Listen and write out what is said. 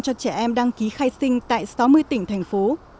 cho trẻ em đăng ký khai sinh tại sáu mươi tỉnh thành phố